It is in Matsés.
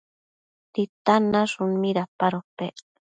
¿Titan nashun midapadopec?